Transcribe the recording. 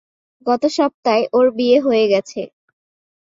গত সপ্তায় ওর বিয়ে হয়ে গেছে।